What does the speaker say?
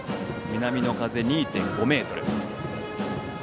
南の風、２．５メートル。